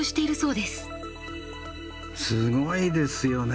すごいですよね。